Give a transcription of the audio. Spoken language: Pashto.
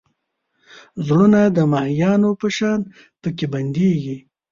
زړونه د ماهیانو په شان پکې بندېږي.